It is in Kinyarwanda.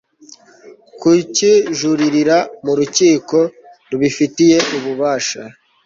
kukijuririra mu rukiko rubifitiye ububasha